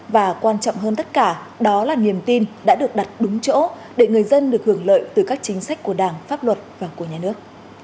và quan trọng hơn tất cả đó là niềm tin đã được đặt đúng chỗ để người dân được hưởng lợi từ các chính sách của đảng pháp luật và của nhà nước